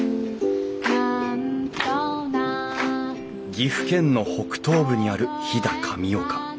岐阜県の北東部にある飛騨神岡。